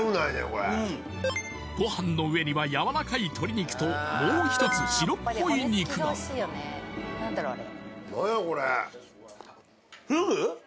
これうんご飯の上にはやわらかい鶏肉ともう一つ白っぽい肉が何やこれ？